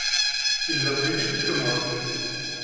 Il va plus vite que moi.